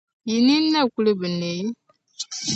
Yi nini na kul bi neei?